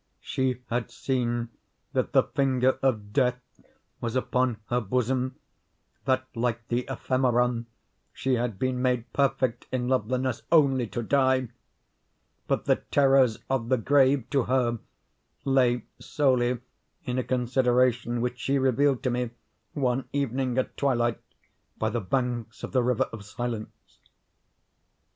She had seen that the finger of Death was upon her bosom—that, like the ephemeron, she had been made perfect in loveliness only to die; but the terrors of the grave to her lay solely in a consideration which she revealed to me, one evening at twilight, by the banks of the River of Silence.